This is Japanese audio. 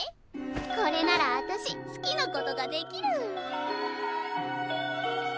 これならあたし好きなことができる！